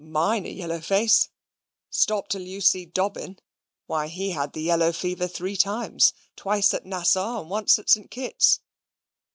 "Mine a yellow face? Stop till you see Dobbin. Why, he had the yellow fever three times; twice at Nassau, and once at St. Kitts."